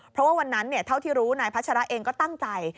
เพราะว่าวันนั้นเท่าที่รู้นายพัชระเองก็ตั้งใจ